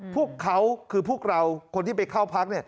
พวกเขาคือพวกเราคนที่ไปเข้าพัก